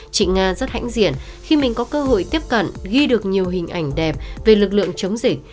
chị nga rất hãnh diện khi mình có cơ hội tiếp cận ghi được nhiều hình ảnh đẹp về lực lượng chống dịch